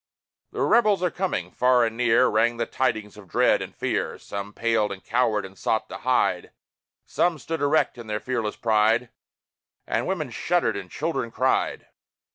"The Rebels are coming!" far and near Rang the tidings of dread and fear; Some paled and cowered and sought to hide; Some stood erect in their fearless pride; And women shuddered and children cried.